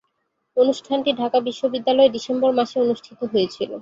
অনুষ্ঠানটি ঢাকা বিশ্ববিদ্যালয়ে ডিসেম্বর মাসে অনুষ্ঠিত হয়েছিলো।